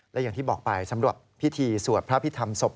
และอย่างที่บอกไปสำหรับพิธีสวดพระพิธรรมศพ